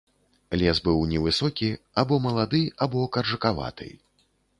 Лес быў невысокі, або малады, або каржакаваты.